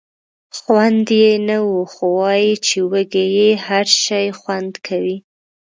خونده یې نه وه خو وایي چې وږی یې هر شی خوند کوي.